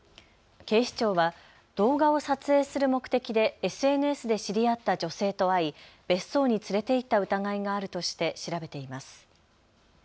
警視庁は動画を撮影する目的でＳＮＳで知り合った女性と会い別荘に連れて行った疑いがあるとして調べています。